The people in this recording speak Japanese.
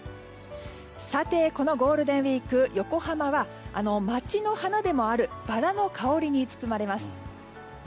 さて、このゴールデンウィーク横浜は街の花でもあるバラの香りに包まれます。